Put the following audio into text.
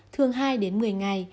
thường hai đến một mươi ngày